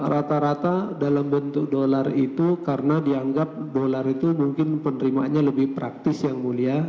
rata rata dalam bentuk dolar itu karena dianggap dolar itu mungkin penerimaannya lebih praktis yang mulia